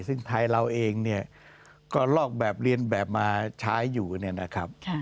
ซึ่งไทยเราเองก็ลอกแบบเรียนแบบมาใช้อยู่นะครับ